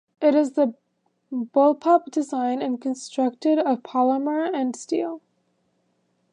It is of bullpup design and constructed of polymer and steel.